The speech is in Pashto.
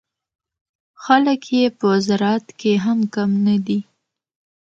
خلک یې په زراعت کې هم کم نه دي.